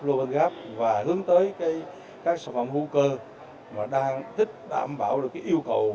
lô bất gáp và hướng tới các sản phẩm hữu cơ mà đang thích đảm bảo được cái yêu cầu